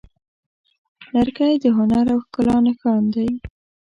لرګی د هنر او ښکلا نښان دی.